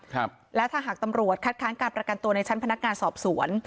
ครับและถ้าหากตำรวจคัดค้านการประกันตัวในชั้นพนักงานสอบสวน